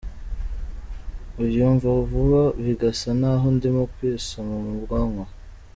Unyumva vuba bigasa naho ndimo kwisoma mu bwoko.